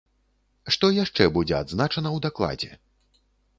Што яшчэ будзе адзначана ў дакладзе?